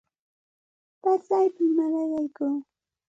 Pasaypam mallaqaykuu.